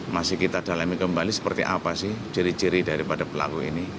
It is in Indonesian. masih kita dalami kembali seperti apa sih ciri ciri daripada pelaku ini